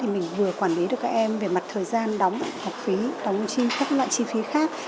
mình vừa quản lý được các em về mặt thời gian đóng học phí đóng chi các loại chi phí khác